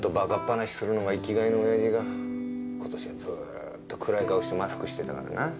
話するのが生きがいの親父が今年はずっと暗い顔してマスクしてたからな。